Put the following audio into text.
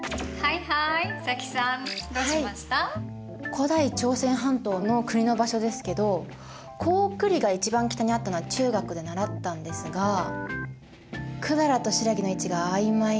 古代朝鮮半島の国の場所ですけど高句麗が一番北にあったのは中学で習ったんですが百済と新羅の位置があいまいで。